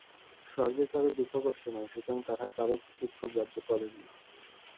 স্বর্গে কোন দুঃখ-কষ্ট নাই, সুতরাং তাঁহারা কাহারও দুঃখ গ্রাহ্য করেন না।